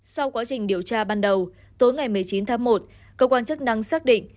sau quá trình điều tra ban đầu tối ngày một mươi chín tháng một cơ quan chức năng xác định